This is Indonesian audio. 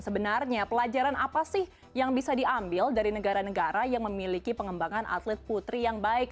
sebenarnya pelajaran apa sih yang bisa diambil dari negara negara yang memiliki pengembangan atlet putri yang baik